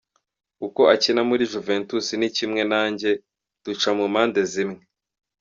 Uko akina muri Juventus ni kimwe nanjye, duca mu mpande zimwe.